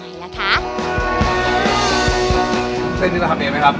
เส้นนี้เราทำเองไหมครับ